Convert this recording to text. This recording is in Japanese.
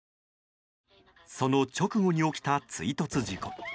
その直後に起きた追突事故。